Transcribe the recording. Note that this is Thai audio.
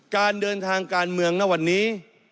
การเดินทางการเมืองณวันนี้